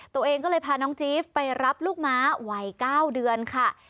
ตัวเองก็เลยพาน้องจี๊บไปรับลูกม้าวัย๙เดือนค่ะ